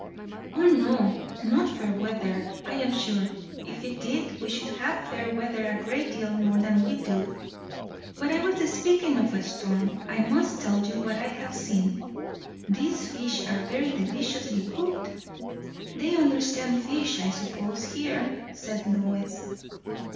"O no, not fair weather; I am sure, if it did, we should have fair weather a great deal more than we do. But I was speaking of a storm, and I must tell you what I have seen. These fish are very deliciously cooked!" "They understand fish, I suppose, here," said Lois.